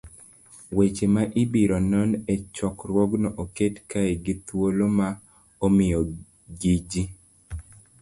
Weche ma ibiro non e chokruogno oket kae gi thuolo ma omiya gi ji